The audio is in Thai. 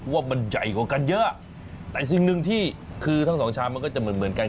ว่ามันใหญ่กว่ากันเยอะแต่สิ่งหนึ่งที่คือทั้งสองชามมันก็จะเหมือนเหมือนกัน